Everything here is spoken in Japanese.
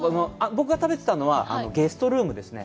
僕が食べてたのはゲストルームですね。